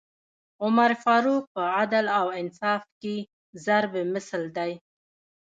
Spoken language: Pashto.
عمر فاروق په عدل او انصاف کي ضَرب مثل دی